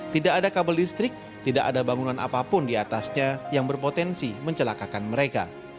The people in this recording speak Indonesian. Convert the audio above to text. tidak ada kabel listrik tidak ada bangunan apapun di atasnya yang berpotensi mencelakakan mereka